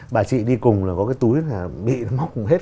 bà chị đi cùng là có cái túi bị mọc hết